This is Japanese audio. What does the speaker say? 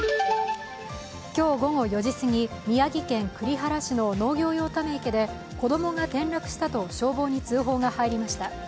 今日午後４時すぎ、宮城県栗原市の農業用ため池で、子供が転落したと消防に通報が入りました。